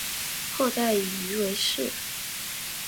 后代以鱼为氏。